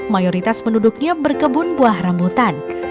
mayoritas penduduknya berkebun buah rambutan